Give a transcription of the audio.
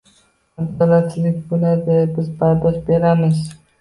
Adolatsizlik bo'ladi, biz bardosh beramiz